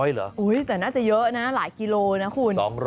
๒๐๐หรืออุ๊ยแต่น่าจะเยอะนะหลายกิโลนะคุณ